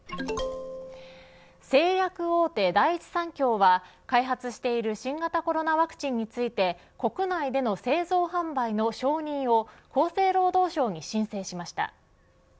製薬大手、第一三共は開発している新型コロナワクチンについて国内での製造販売の承認を厚生労働省に申請しました。